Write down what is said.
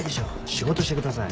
仕事してください。